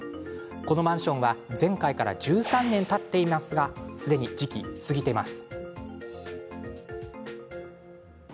このマンションは前回から１３年たっていますがすでに時期を過ぎています。